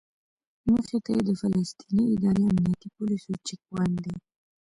مخې ته یې د فلسطیني ادارې امنیتي پولیسو چیک پواینټ دی.